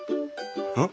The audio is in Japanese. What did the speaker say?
うん？